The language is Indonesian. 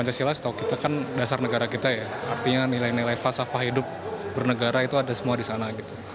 pancasila setahu kita kan dasar negara kita ya artinya nilai nilai falsafah hidup bernegara itu ada semua di sana gitu